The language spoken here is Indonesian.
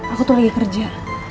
aku tuh lagi kerja